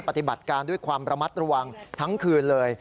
ปฏิบัติการด้วยความระมัดระวังทั้งคืนเลย